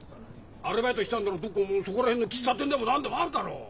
アルバイトしたいんならどっかそこら辺の喫茶店でも何でもあるだろう？